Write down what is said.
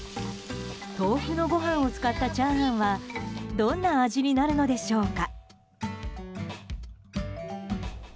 豆腐のごはんを使ったチャーハンはどんな味になるのでしょうか。